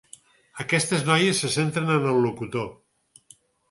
Aquestes noies se centren en el locutor.